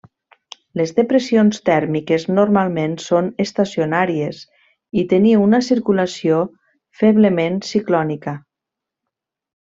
Les depressions tèrmiques normalment són estacionàries i tenir una circulació feblement ciclònica.